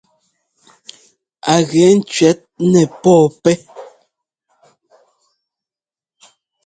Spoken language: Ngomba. Á gɛ cʉɛt nɛɛ pɔɔpɛ́.